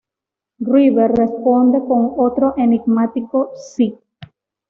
River responde con otro enigmático "sí".